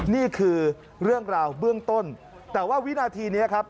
นี่คือเรื่องราวเบื้องต้นแต่ว่าวินาทีนี้ครับ